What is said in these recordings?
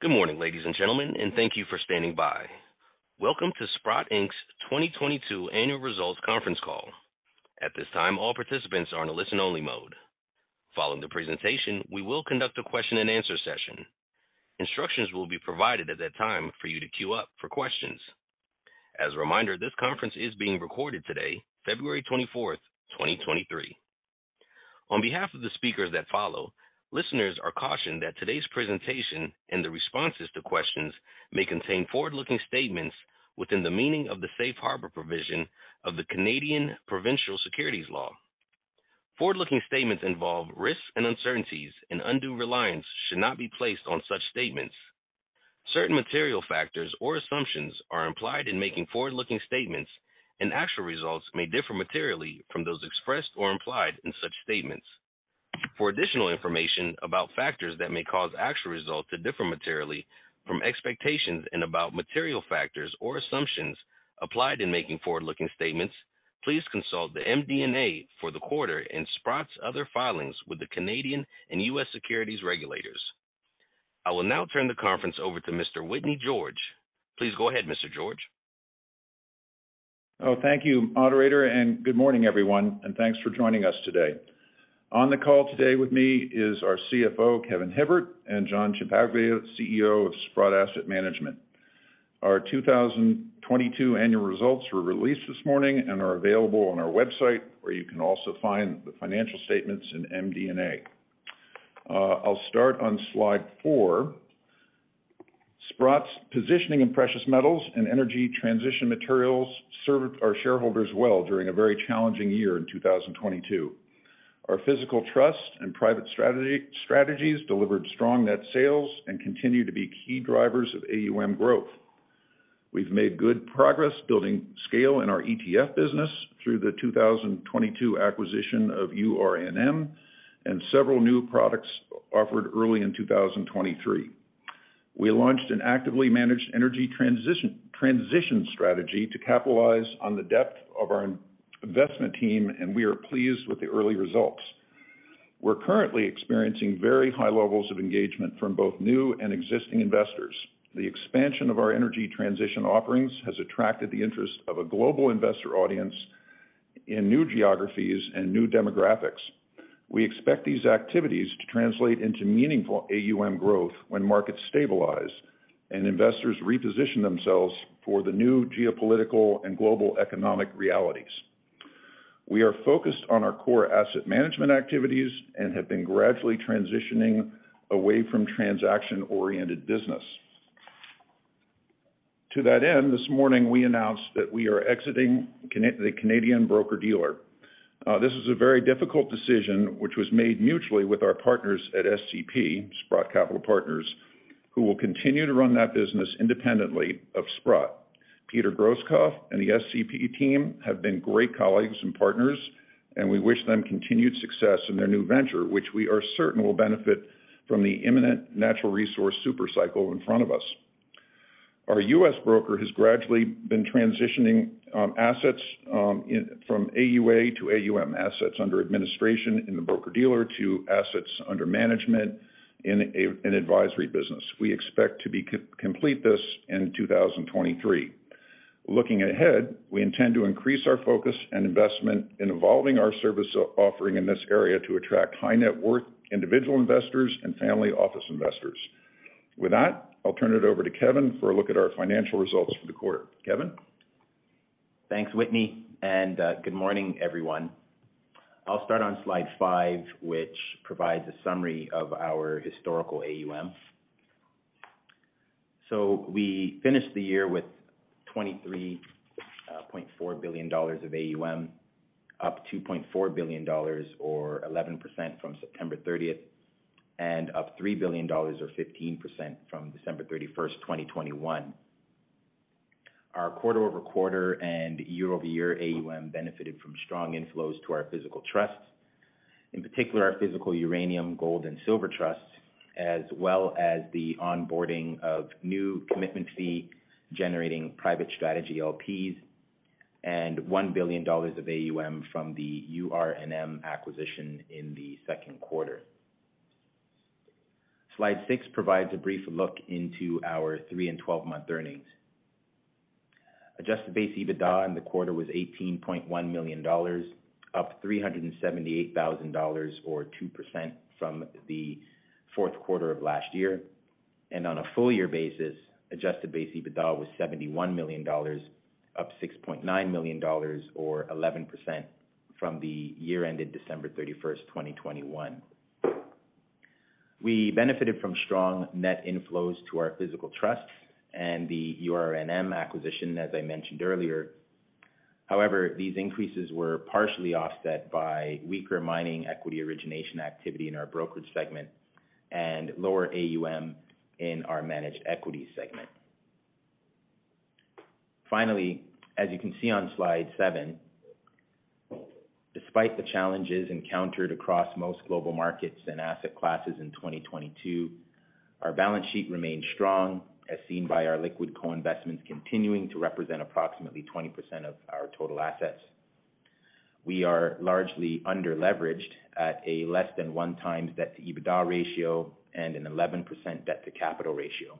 Good morning, ladies and gentlemen, and thank you for standing by. Welcome to Sprott Inc.'s 2022 annual results conference call. At this time, all participants are in a listen-only mode. Following the presentation, we will conduct a Question-And-Answer session. Instructions will be provided at that time for you to queue up for questions. As a reminder, this conference is being recorded today, February 24th, 2023. On behalf of the speakers that follow, listeners are cautioned that today's presentation and the responses to questions may contain Forward-Looking statements within the meaning of the safe harbor provision of the Canadian provincial securities law. Forward-Looking statements involve risks and uncertainties and undue reliance should not be placed on such statements. Certain material factors or assumptions are implied in making forward-looking statements, and actual results may differ materially from those expressed or implied in such statements. For additional information about factors that may cause actual results to differ materially from expectations and about material factors or assumptions applied in making forward-looking statements, please consult the MD&A for the 1/4 and Sprott's other filings with the Canadian and U.S. securities regulators. I will now turn the conference over to Mr. Whitney George. Please go ahead, Mr. George. Oh, thank you moderator. Good morning, everyone. Thanks for joining us today. On the call today with me is our CFO, Kevin Hibbert, and John Ciampaglia, CEO of Sprott Asset Management. Our 2022 annual results were released this morning and are available on our website, where you can also find the financial statements in MD&A. I'll start on Slide four. Sprott's positioning in precious metals and energy transition materials served our shareholders well during a very challenging year in 2022. Our physical trust and private strategies delivered strong net sales and continue to be key drivers of AUM growth. We've made good progress building scale in our ETF business through the 2022 acquisition of URNM and several new products offered early in 2023. We launched an actively managed energy transition strategy to capitalize on the depth of our investment team. We are pleased with the early results. We're currently experiencing very high levels of engagement from both new and existing investors. The expansion of our energy transition offerings has attracted the interest of a global investor audience in new geographies and new demographics. We expect these activities to translate into meaningful AUM growth when markets stabilize and investors reposition themselves for the new geopolitical and global economic realities. We are focused on our core asset management activities and have been gradually transitioning away from transaction-oriented business. To that end, this morning we announced that we are exiting the Canadian broker-dealer. This is a very difficult decision which was made mutually with our partners at SCP, Sprott Capital Partners, who will continue to run that business independently of Sprott. Peter Grosskopf and the SCP team have been great colleagues and partners, and we wish them continued success in their new venture, which we are certain will benefit from the imminent natural resource super cycle in front of us. Our US broker has gradually been transitioning assets from AUA to AUM, assets under administration in the broker-dealer to assets under management in a, an advisory business. We expect to complete this in 2023. Looking ahead, we intend to increase our focus and investment in evolving our service offering in this area to attract high net worth individual investors and family office investors. With that, I'll turn it over to Kevin for a look at our financial results for the 1/4. Kevin? Thanks, Whitney, good morning, everyone. I'll start on Slide 5, which provides a summary of our historical AUM. We finished the year with $23.4 billion of AUM, up $2.4 billion or 11% from September 30th, up $3 billion or 15% from December 31st, 2021. Our Quarter-over-Quarter and Year-Over-Year AUM benefited from strong inflows to our physical trusts, in particular our physical uranium, gold, and silver trusts, as well as the onboarding of new commitment fee, generating private strategy LPs and $1 billion of AUM from the URNM acquisition in the second 1/4. Slide 6 provides a brief look into our 3 and 12-month earnings. Adjusted base EBITDA in the 1/4 was $18.1 million, up $378,000 or 2% from the fourth 1/4 of last year. On a full year basis, adjusted base EBITDA was $71 million, up $6.9 million or 11% from the year ended December 31, 2021. We benefited from strong net inflows to our physical trusts and the URNM acquisition, as I mentioned earlier. These increases were partially offset by weaker mining equity origination activity in our brokerage segment and lower AUM in our managed equity segment. As you can see on Slide 7, despite the challenges encountered across most global markets and asset classes in 2022, our balance sheet remained strong as seen by our Liquid Co-Investments continuing to represent approximately 20% of our total assets. We are largely under leveraged at a less than 1 times debt to EBITDA ratio and an 11% debt to capital ratio.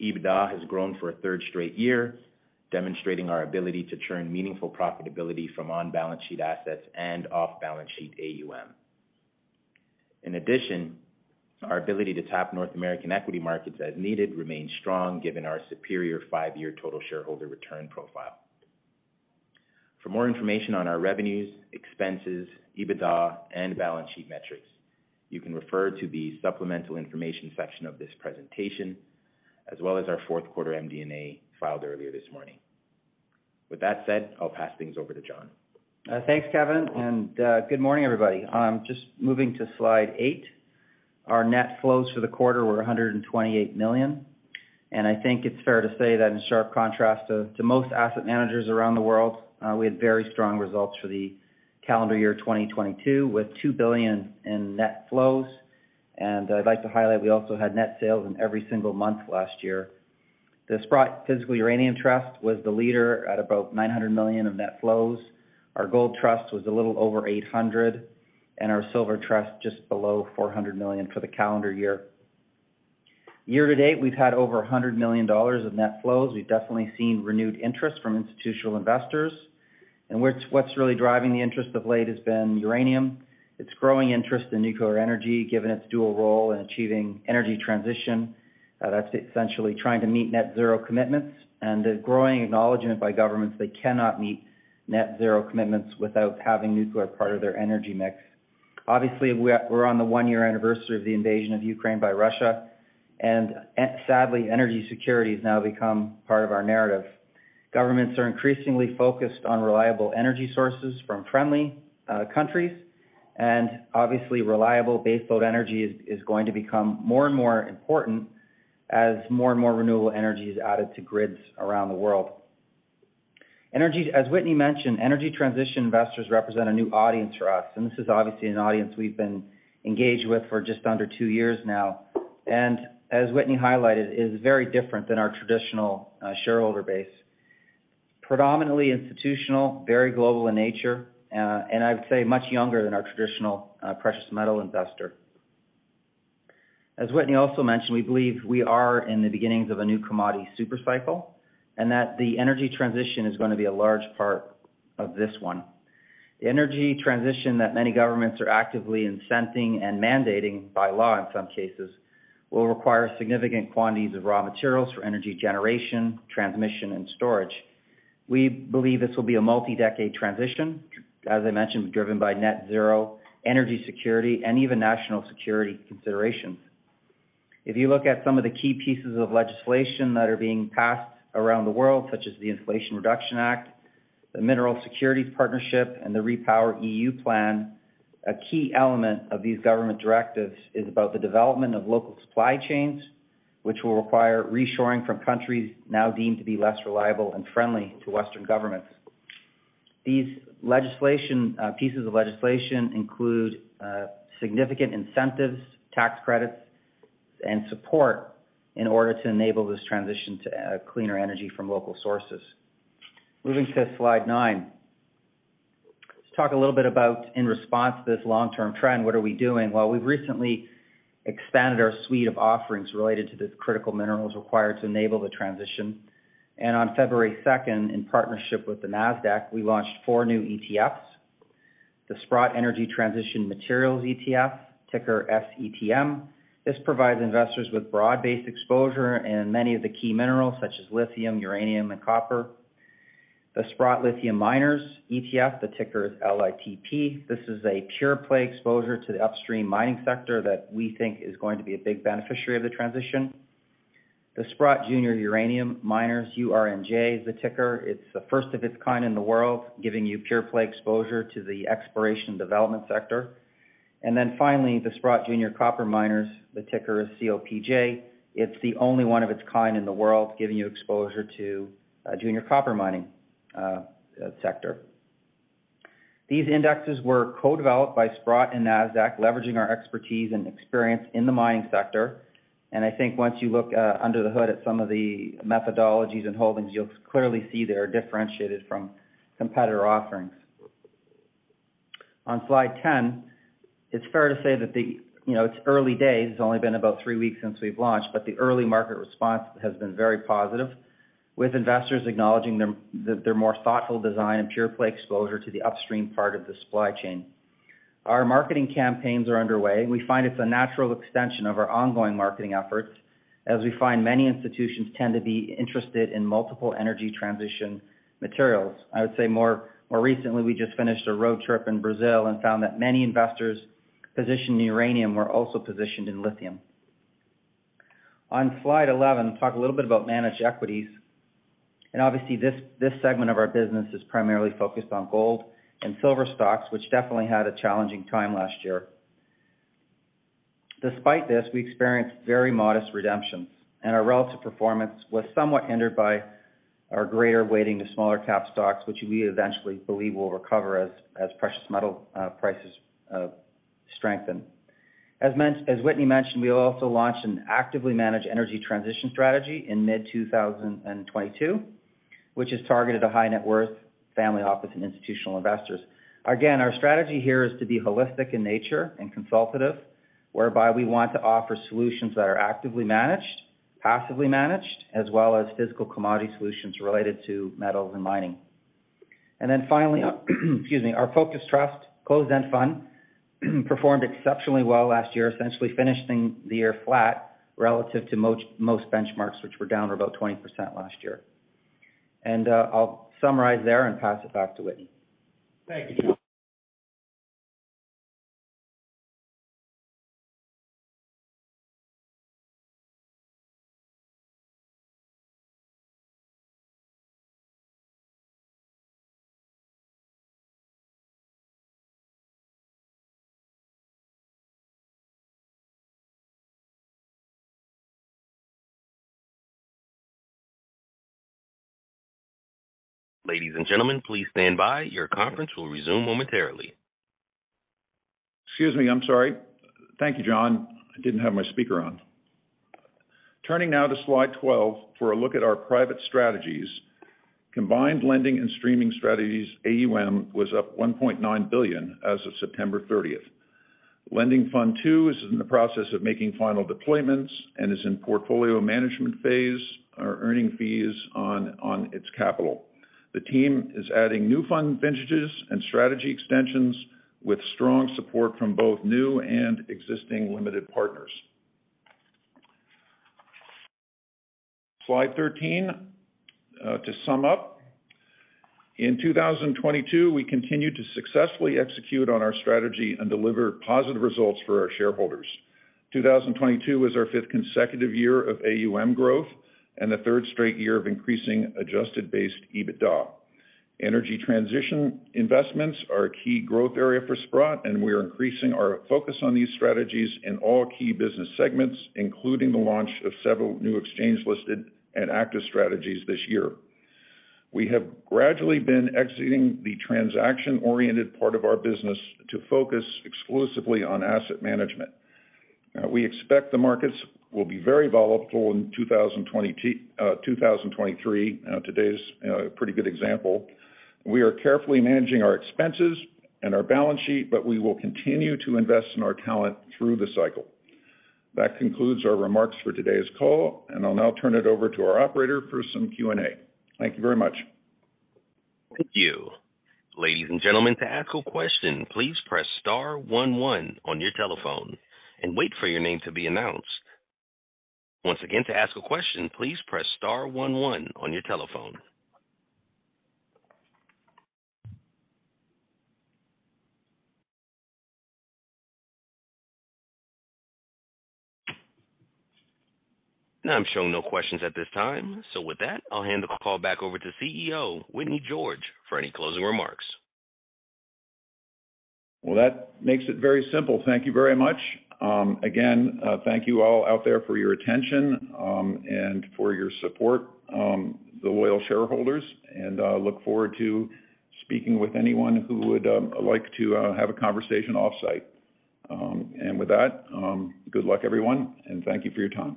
EBITDA has grown for a third straight year, demonstrating our ability to churn meaningful profitability from on-balance sheet assets and off-balance sheet AUM. In addition, our ability to tap North American equity markets as needed remains strong given our superior Five-Year total shareholder return profile. For more information on our revenues, expenses, EBITDA, and balance sheet metrics, you can refer to the supplemental information section of this presentation, as well as our fourth 1/4 MD&A filed earlier this morning. With that said, I'll pass things over to John. Thanks, Kevin, good morning, everybody. Just moving to Slide 8. Our net flows for the 1/4 were $128 million. I think it's fair to say that in sharp contrast to most asset managers around the world, we had very strong results for the calendar year 2022, with $2 billion in net flows. I'd like to highlight, we also had net sales in every single month last year. The Sprott Physical Uranium Trust was the leader at about $900 million of net flows. Our Gold Trust was a little over $800 million, our Silver Trust just below $400 million for the calendar year. Year to date, we've had over $100 million of net flows. We've definitely seen renewed interest from institutional investors. What's really driving the interest of late has been uranium. It's growing interest in nuclear energy, given its dual role in achieving energy transition, that's essentially trying to meet net zero commitments and the growing acknowledgement by governments they cannot meet net zero commitments without having nuclear part of their energy mix. We're on the one-year anniversary of the invasion of Ukraine by Russia, and sadly, energy security has now become part of our narrative. Governments are increasingly focused on reliable energy sources from friendly countries, obviously reliable base load energy is going to become more and more important as more and more renewable energy is added to grids around the world. As Whitney mentioned, energy transition investors represent a new audience for us, this is obviously an audience we've been engaged with for just under 2 years now. As Whitney highlighted, it is very different than our traditional shareholder base. Predominantly institutional, very global in nature, and I would say much younger than our traditional precious metal investor. As Whitney also mentioned, we believe we are in the beginnings of a new commodity super cycle, and that the energy transition is gonna be a large part of this one. The energy transition that many governments are actively incenting and mandating by law, in some cases, will require significant quantities of raw materials for energy generation, transmission, and storage. We believe this will be a multi-decade transition, as I mentioned, driven by net zero, energy security, and even national security considerations. If you look at some of the key pieces of legislation that are being passed around the world, such as the Inflation Reduction Act, the Minerals Security Partnership, and the REPowerEU plan, a key element of these government directives is about the development of local supply chains, which will require reshoring from countries now deemed to be less reliable and friendly to Western governments. These pieces of legislation include significant incentives, tax credits, and support in order to enable this transition to cleaner energy from local sources. Moving to Slide nine. Let's talk a little bit about in response to this long-term trend, what are we doing? Well, we've recently expanded our suite of offerings related to the critical minerals required to enable the transition. On February 2nd, in partnership with the Nasdaq, we launched 4 new ETFs. The Sprott Energy Transition Materials ETF, ticker SETM. This provides investors with broad-based exposure in many of the key minerals such as lithium, uranium, and copper. The Sprott Lithium Miners ETF, the ticker is LITP. This is a pure-play exposure to the upstream mining sector that we think is going to be a big beneficiary of the transition. The Sprott Junior Uranium Miners, URNJ is the ticker. It's the first of its kind in the world, giving you pure-play exposure to the exploration development sector. Then finally, the Sprott Junior Copper Miners, the ticker is COPJ. It's the only one of its kind in the world, giving you exposure to junior copper mining sector. These indexes were co-developed by Sprott and Nasdaq, leveraging our expertise and experience in the mining sector. I think once you look under the hood at some of the methodologies and holdings, you'll clearly see they are differentiated from competitor offerings. On Slide 10, it's fair to say that the, you know, it's early days. It's only been about 3 weeks since we've launched, but the early market response has been very positive, with investors acknowledging their more thoughtful design and pure-play exposure to the upstream part of the supply chain. Our marketing campaigns are underway. We find it's a natural extension of our ongoing marketing efforts, as we find many institutions tend to be interested in multiple energy transition materials. I would say more recently, we just finished a road trip in Brazil and found that many investors positioned in uranium were also positioned in lithium. On Slide 11, talk a little bit about managed equities. Obviously this segment of our business is primarily focused on gold and silver stocks, which definitely had a challenging time last year. Despite this, we experienced very modest redemptions, and our relative performance was somewhat hindered by our greater weighting to smaller cap stocks, which we eventually believe will recover as precious metal prices strengthen. As Whitney mentioned, we also launched an actively managed energy transition strategy in mid 2022, which is targeted to high net worth family office and institutional investors. Again, our strategy here is to be holistic in nature and consultative, whereby we want to offer solutions that are actively managed, passively managed, as well as physical commodity solutions related to metals and mining. Finally, excuse me, our Focus Trust closed-end fund performed exceptionally well last year, essentially finishing the year flat relative to most benchmarks, which were down about 20% last year. I'll summarize there and pass it back to Whitney. Thank you, John. Ladies and gentlemen, please stand by. Your conference will resume momentarily. Excuse me, I'm sorry. Thank you, John. I didn't have my speaker on. Turning now to Slide 12 for a look at our private strategies. Combined lending and streaming strategies AUM was up $1.9 billion as of September 30th. Lending Fund II is in the process of making final deployments and is in portfolio management phase earning fees on its capital. The team is adding new fund vintages and strategy extensions with strong support from both new and existing limited partners. Slide 13 to sum up. In 2022, we continued to successfully execute on our strategy and deliver positive results for our shareholders. 2022 was our 5th consecutive year of AUM growth and the 3rd straight year of increasing adjusted base EBITDA. Energy transition investments are a key growth area for Sprott, and we are increasing our focus on these strategies in all key business segments, including the launch of several new exchange-listed and active strategies this year. We have gradually been exiting the transaction-oriented part of our business to focus exclusively on asset management. We expect the markets will be very volatile in 2023. Today's pretty good example. We are carefully managing our expenses and our balance sheet, but we will continue to invest in our talent through the cycle. That concludes our remarks for today's call, and I'll now turn it over to our operator for some Q&A. Thank you very much. Thank you. Ladies and gentlemen, to ask a question, please press star one one on your telephone and wait for your name to be announced. Once again, to ask a question, please press star one one on your telephone. I'm showing no questions at this time. With that, I'll hand the call back over to CEO Whitney George for any closing remarks. Well, that makes it very simple. Thank you very much. Again, thank you all out there for your attention, and for your support, the loyal shareholders. Look forward to speaking with anyone who would like to have a conversation off-site. With that, good luck, everyone, and thank you for your time.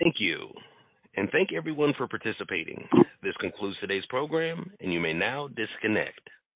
Thank you. Thank you everyone for participating. This concludes today's program, and you may now disconnect.